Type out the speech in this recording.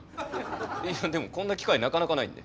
いやでもこんな機会なかなかないんで。